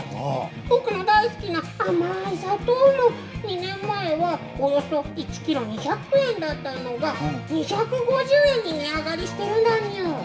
僕の大好きな甘い砂糖も２年前はおよそ１キロ２００円だったのが２５０円に値上がりしているんだにゅ。